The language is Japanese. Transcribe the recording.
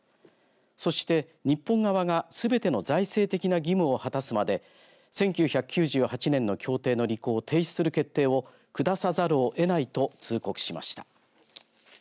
そして日本側が、すべての財政的な義務を果たすまで１９９８年の協定の履行を停止する決定を下さざるをえないと通告しました。